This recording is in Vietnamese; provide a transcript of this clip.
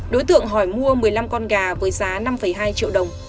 đối tượng hỏi mua một mươi năm con gà với giá năm hai triệu đồng